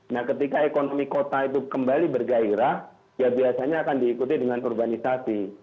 nah ketika ekonomi kota itu kembali bergairah ya biasanya akan diikuti dengan urbanisasi